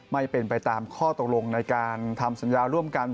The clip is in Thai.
ไม่เป็นไปตามข้อตกลงในการทำสัญญาร่วมกัน